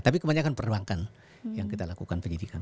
tapi kebanyakan perbankan yang kita lakukan penyidikan